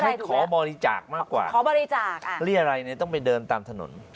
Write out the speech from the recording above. ไม่ขอบริจาคมากกว่าเรียรัยนี่ต้องไปเดินตามถนน